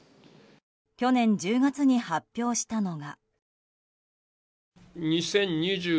去年１０月に発表したのが。